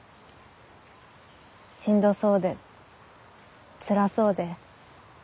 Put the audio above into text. しんどそうでつらそうで。